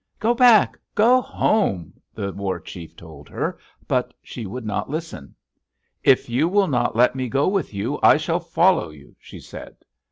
"'Go back! Go home!' the war chief told her. But she would not listen. "'If you will not let me go with you, I shall follow you,' she said.